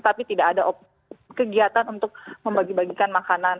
tapi tidak ada kegiatan untuk membagi bagikan makanan